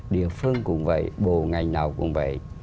địa phương cũng vậy bộ ngành nào cũng vậy